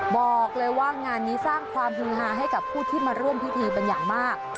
บอกเลยว่างานนี้สร้างความฮือฮาให้กับผู้ที่มาร่วมพิธีเป็นอย่างมาก